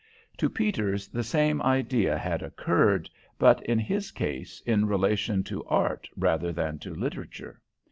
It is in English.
To Peters the same idea had occurred, but in his case in relation to art rather than to literature.